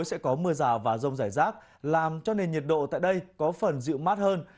sẽ có mưa rào và rông rải rác làm cho nền nhiệt độ tại đây có phần dịu mát hơn